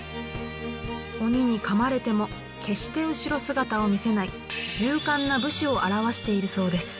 鬼にかまれても決して後ろ姿を見せない勇敢な武士を表しているそうです。